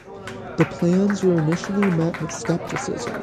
The plans were initially met with scepticism.